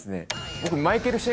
僕。